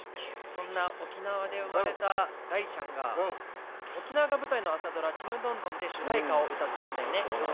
そんな沖縄で生まれた大ちゃんが沖縄が舞台の朝ドラ「ちむどんどん」で主題歌を歌ってるんだよね。